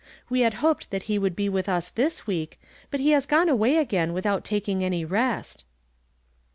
We had hoped that he would be with us this week, but he has gone away again without taking any rest."